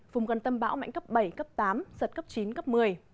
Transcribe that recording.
vùng gần tâm bão mạnh cấp bảy cấp tám giật cấp chín cấp một mươi